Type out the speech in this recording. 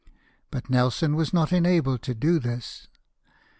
But Nelson was not enabled to do this.